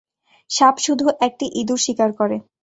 সাপ শুধু একটি ইঁদুর শিকার করে।